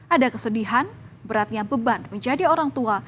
ada kesedihan beratnya beban menjadi orang tua